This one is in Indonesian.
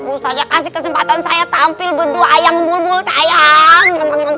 ustazah kasih kesempatan saya tampil berdua ayang bulbul tayang